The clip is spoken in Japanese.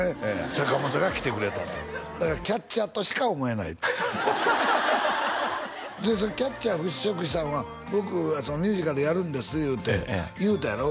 坂本が来てくれたとだからキャッチャーとしか思えないキャッチャーを払拭したんは僕ミュージカルやるんですいうて言うたやろ？